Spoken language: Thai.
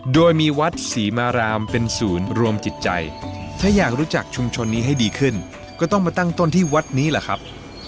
โดยมีวัดศรีมารามเป็นศูนย์รวมจิตใจถ้าอยากรู้จักชุมชนนี้ให้ดีขึ้นก็ต้องมาตั้งต้นที่วัดนี้แหละครับ